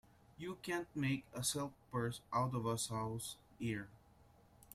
You can't make a silk purse out of a sow's ear.